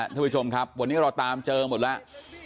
ท่านผู้ชมครับวันนี้เราตามเจอหมดแล้ว